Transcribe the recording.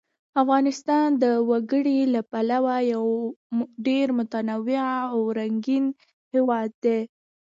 افغانستان د وګړي له پلوه یو ډېر متنوع او رنګین هېواد دی.